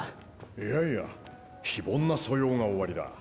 いやいや非凡な素養がおありだ。